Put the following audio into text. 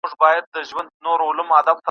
مشران چیري نوي ډیپلوماټیک اسناد ساتي؟